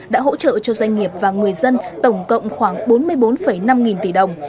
đã hỗ trợ cho doanh nghiệp và người dân tổng cộng khoảng bốn mươi bốn năm nghìn tỷ đồng